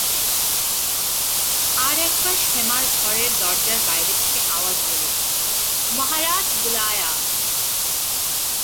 আর-একবার শ্যামার ঘরের দরজার বাইরে থেকে আওয়াজ এল, মহারাজ বোলায়া।